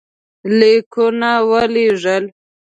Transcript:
لیکونه ولېږل.